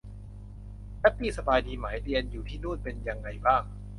แพทตี้สบายดีไหม เรียนอยู่ที่นู่นเป็นยังไงบ้าง